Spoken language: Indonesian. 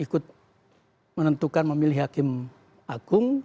ikut menentukan memilih hakim agung